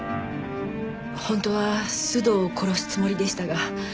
本当は須藤を殺すつもりでしたが。